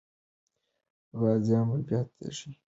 غازيان به بیا تږي او ستړي نه سي.